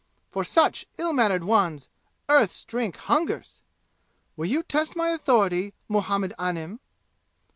For such ill mannered ones Earth's Drink hungers! Will you test my authority, Muhammad Anim?"